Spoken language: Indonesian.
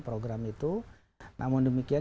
program itu namun demikian